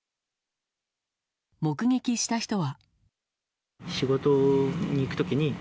目撃した人は。